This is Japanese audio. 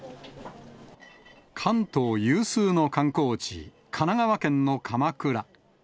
関東有数の観光地、神奈川県の鎌倉。